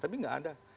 tapi nggak ada